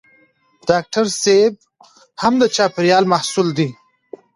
ډاکټر صېب هم د چاپېریال محصول دی.